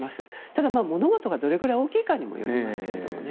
ただ、物事がどれくらい大きいかによりますけどね。